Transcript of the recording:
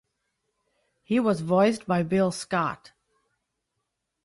He was voiced by Bill Scott.